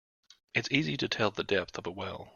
It's easy to tell the depth of a well.